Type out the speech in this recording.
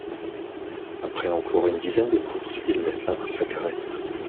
Après encore une dizaine de courses, il met fin à sa carrière.